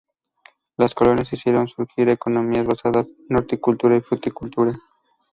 Las colonias hicieron surgir economías basadas en horticultura y fruticultura.